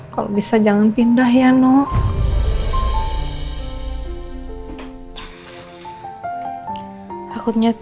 kalau bisa jangan pindah ya nok